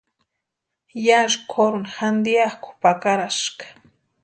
Yásï kʼoruni jantiakʼu pakaraska.